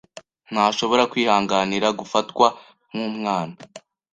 Ntashobora kwihanganira gufatwa nkumwana.